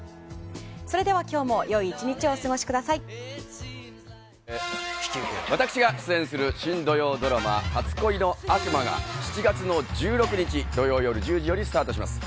それでは今日も良い１日を私が出演する新土曜ドラマ「初恋の悪魔」が７月１６日土曜夜１０時よりスタートします。